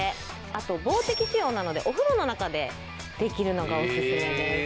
あと防滴仕様なのでお風呂の中でできるのがおすすめです。